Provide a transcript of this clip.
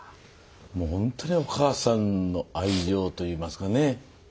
もうほんとにお母さんの愛情といいますかね。